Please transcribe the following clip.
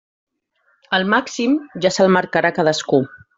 El màxim ja se'l marcarà cadascú.